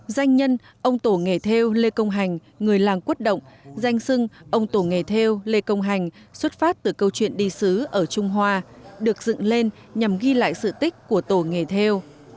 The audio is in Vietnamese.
danh nhân ông tổ nghề theo lê công hành người làng quốc động danh sưng ông tổ nghề theo lê công hành xuất phát từ câu chuyện đi xứ ở trung hoa được dựng lên nhằm ghi lại sự tích của tổ nghề theo